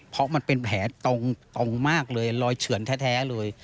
เพราะมันเป็นแผลตรงมากเลยรอยเฉือนแท้เลย